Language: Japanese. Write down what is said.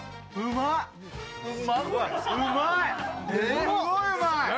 すごいうまい。